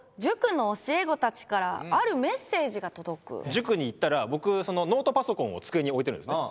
塾に行ったら僕、ノートパソコンを机に置いてるんですね。